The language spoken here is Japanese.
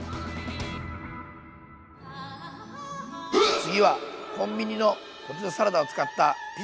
次はコンビニのポテトサラダを使ったピザを紹介します！